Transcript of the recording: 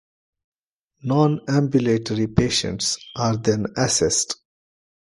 Non-ambulatory patients are then assessed.